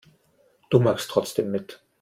Du machst trotzdem mit.